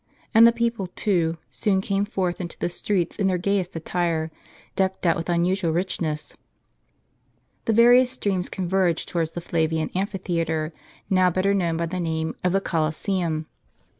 And the people, too, soon came forth into the streets in their gayest attire, decked out with unusual richness. The various streams converge towards the Flavian amphitheatre, now better known by the name of the Coliseum.